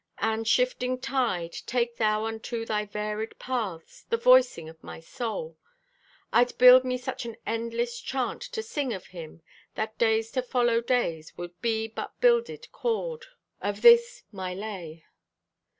And, shifting tide, take thou Unto thy varied paths The voicing of my soul! I'd build me such an endless Chant to sing of Him That days to follow days Would be but builded chord Of this my lay.